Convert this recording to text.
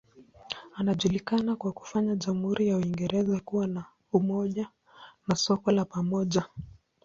Anajulikana kwa kufanya jamhuri ya Uingereza kuwa na umoja na soko la pamoja.